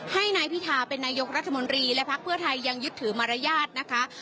ให้นายพิธาเป็นนายกรัฐมนตรีและพักเพื่อไทยยังยึดถือมารยาทนะคะ